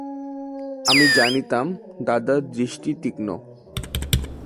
আমি জানিতাম, দাদার দৃষ্টি তীক্ষ্ণ।